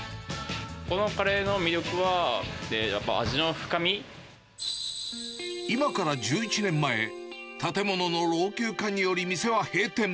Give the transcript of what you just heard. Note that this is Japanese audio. このカレーの魅力は、今から１１年前、建物の老朽化により、店は閉店。